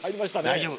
大丈夫。